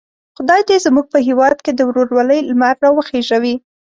خدای دې زموږ په هیواد کې د ورورولۍ لمر را وخېژوي.